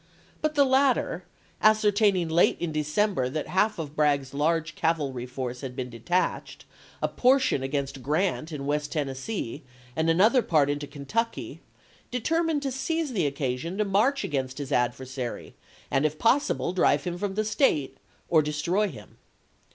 But the latter, ascertaining late in December that half of Bragg's large cavalry force had been detached, a portion against Grant in West Tennessee, and an other part into Kentucky, determined to seize the occasion to march against his adversary and, if pos sible, drive him from the State, or destroy him.